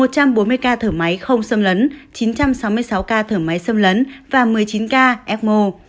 một trăm bốn mươi ca thở máy không xâm lấn chín trăm sáu mươi sáu ca thở máy xâm lấn và một mươi chín ca emo